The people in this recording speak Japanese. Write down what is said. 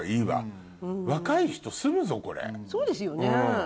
そうですよね。